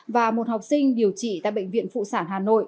và một học sinh điều trị tại bệnh viện phụ sản hà nội